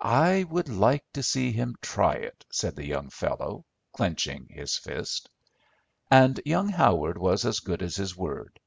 "I would like to see him try it," said the young fellow, clenching his fist. And young Howard was as good as his word.